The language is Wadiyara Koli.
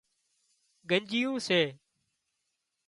ڳنڄيون سي